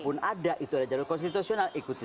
pun ada itu adalah jalur konstitusional ikuti